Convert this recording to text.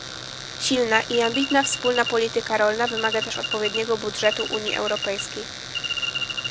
Silna i ambitna wspólna polityka rolna wymaga też odpowiedniego budżetu Unii Europejskiej